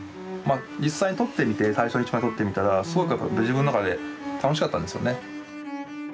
まっ実際に撮ってみて最初に一枚撮ってみたらすごくやっぱり自分の中で楽しかったんですよね。